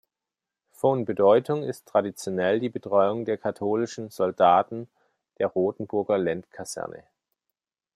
Von Bedeutung ist traditionell die Betreuung der katholischen Soldaten der Rotenburger Lent-Kaserne.